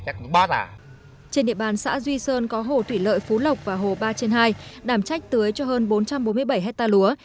trên địa bàn xã duy sơn có hồ thủy lợi phú lộc và hồ ba trên hai đảm trách tưới cho hơn bốn trăm bốn mươi bảy hectare lúa